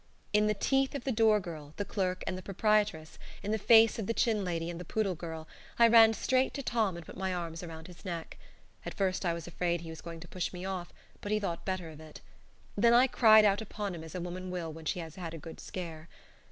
In the teeth of the door girl, the clerk, and the proprietress, in the face of the chin lady and the poodle girl, I ran straight to Tom and put my arms around his neck. At first I was afraid he was going to push me off, but he thought better of it. Then I cried out upon him as a woman will when she has had a good scare.